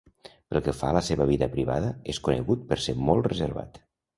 Pel que fa a la seva vida privada, és conegut per ser molt reservat.